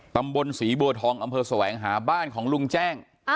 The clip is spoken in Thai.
ตำบลศรีบัวทองอำเภอแสวงหาบ้านของลุงแจ้ง